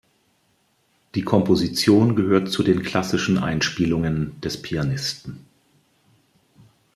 Die Komposition gehört zu den klassischen Einspielungen des Pianisten.